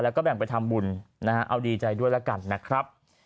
แล้วก็แบ่งไปทำบุญนะฮะเอาดีใจด้วยแล้วกันนะครับ